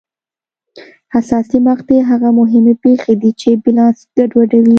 حساسې مقطعې هغه مهمې پېښې دي چې بیلانس ګډوډوي.